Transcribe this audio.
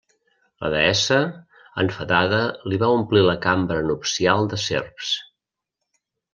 La deessa, enfadada li va omplir la cambra nupcial de serps.